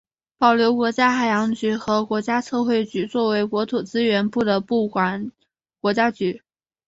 保留国家海洋局和国家测绘局作为国土资源部的部管国家局。